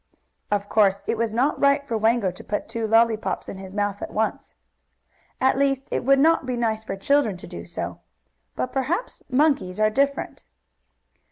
Of course it was not right for Wango to put two lollypops in his mouth at once; at least it would not be nice for children to do so. But perhaps monkeys are different.